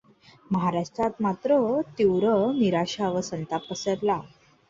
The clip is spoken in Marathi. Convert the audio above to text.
महाराष्ट्रात मात्र तीव्र निराशा व संताप पसरला.